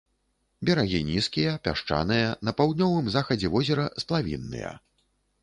Берагі нізкія, пясчаныя, на паўднёвым захадзе возера сплавінныя.